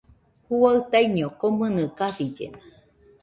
Juaɨ taiño komɨnɨ kasillesa.